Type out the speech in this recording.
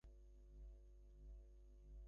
তোমরাও আমার কোন আশা করো না।